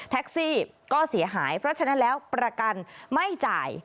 แท็กซี่ก็เสียหายเพราะฉะนั้นแล้วประกันไม่จ่าย